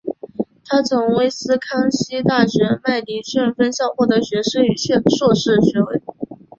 他从威斯康辛大学麦迪逊分校获得学士与硕士学位。